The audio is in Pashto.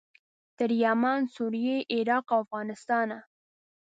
تر یمن، سوریې، عراق او افغانستانه.